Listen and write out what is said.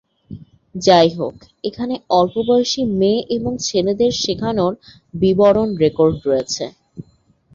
যাইহোক, এখানে অল্পবয়সী মেয়ে এবং ছেলেদের শেখানোর বিবরণ রেকর্ড রয়েছে।